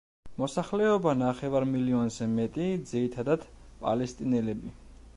მოსახლეობა ნახევარ მილიონზე მეტი, ძირითადად პალესტინელები.